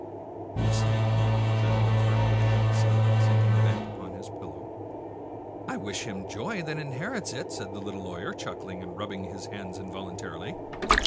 " The same," said Wolfert, with a heavy sigh, and sink ing back upon his pillow, " I wish him joy that inherits it !" said the little lawyer^ chuckling and rubbing his hands involuntarily.